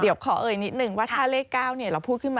เดี๋ยวขอเอ่ยนิดนึงว่าถ้าเลข๙เราพูดขึ้นมา